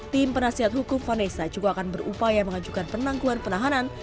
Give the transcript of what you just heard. tim penasihat hukum vanessa juga akan berupaya mengajukan penangguhan penahanan